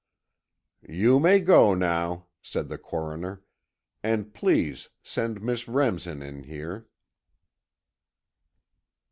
"You may go now," said the Coroner, "and please send Miss Remsen in here."